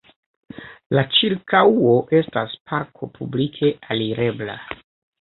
La ĉirkaŭo estas parko publike alirebla.